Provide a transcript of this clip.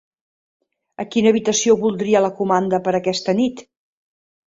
A quina habitació voldria la comanda per aquesta nit?